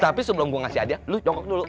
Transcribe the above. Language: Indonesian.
tapi sebelum gua ngasih hadiah lu jongkok dulu